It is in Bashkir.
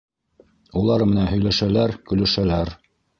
Улар менән һөйләшәләр, көлөшәләр.